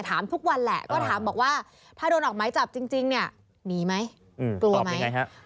ถามทุกวันแหละก็ถามบอกว่าถ้าโดนออกไม้จับจริงเนี่ยหนีไหมกลัวไหม